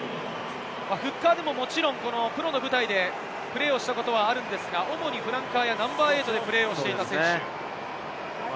フッカーでも、もちろんプロの舞台でプレーをしたことがあるのですが、主にフランカーやナンバー８でプレーしていた選手です。